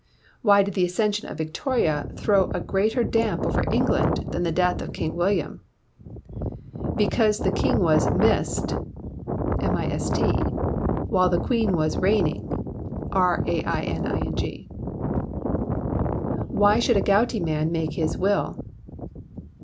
_ Why did the accession of Victoria throw a greater damp over England than the death of King William? Because the King was missed (mist) while the Queen was reigning (raining). Why should a gouty man make his will?